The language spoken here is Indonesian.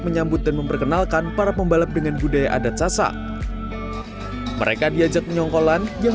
menyambut dan memperkenalkan para pembalap dengan budaya adat sasak mereka diajak penyongkolan yang